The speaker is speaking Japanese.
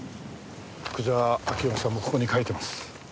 福沢明夫さんもここに書いてます。